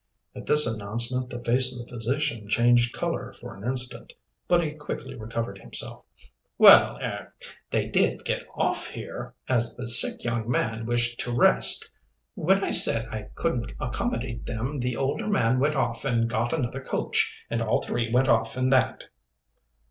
At this announcement the face of the physician changed color for an instant. But he quickly recovered himself. "Well er they did get off here, as the sick young man wished to rest. When I said I couldn't accommodate them the older man went off and got another coach, and all three went off in that."